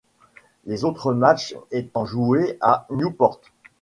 Les autres matchs étant joués à Newport.